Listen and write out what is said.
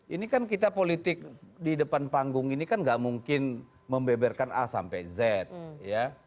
ini kan kita politik di depan panggung ini kan gak mungkin membeberkan a sampai z ya